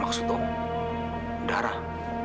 maksud om darah